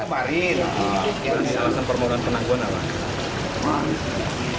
kemarin alasan permohonan penangguhan apa